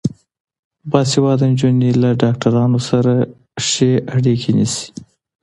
باسواده نجونې له ډاکټرانو سره ښه اړیکه نیسي.